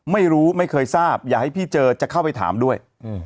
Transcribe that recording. ไม่เคยทราบอย่าให้พี่เจอจะเข้าไปถามด้วย